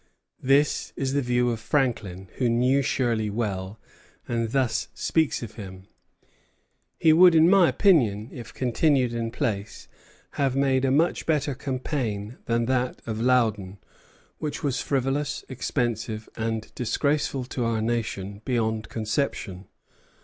This is the view of Franklin, who knew Shirley well, and thus speaks of him: "He would in my opinion, if continued in place, have made a much better campaign than that of Loudon, which was frivolous, expensive, and disgraceful to our nation beyond conception.